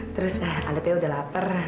terus alda tee udah lapar